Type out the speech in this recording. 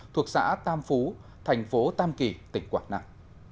thuộc xã tam phú thành phố tam kỳ tỉnh quảng nam